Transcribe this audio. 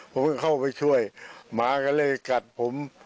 ผมก็เข้าไปช่วยหมาก็เลยกัดผม